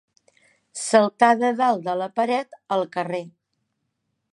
Saltar de dalt de la paret al carrer.